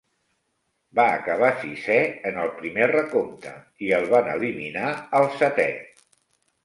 Va acabar sisè en el primer recompte i el van eliminar al setè.